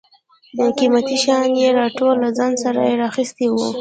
قیمتي شیان یې ټول له ځان سره را اخیستي و.